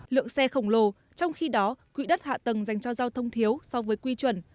lượng xe khổng lồ trong khi đó quỹ đất hạ tầng dành cho giao thông thiếu so với quy chuẩn